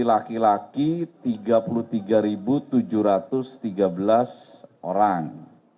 laki laki tiga puluh tiga tujuh ratus tiga belas orang